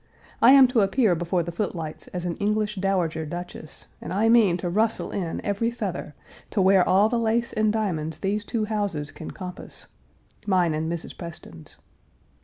I am to appear before the footlights as an English dowager duchess, and I mean to rustle in every feather, to wear all the lace and diamonds these two houses can compass" (mine and Mrs. Preston's).